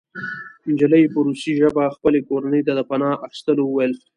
نجلۍ په روسي ژبه خپلې کورنۍ ته د پناه اخیستلو وویل